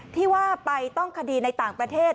ที่ว่าไปต้องคดีในต่างประเทศ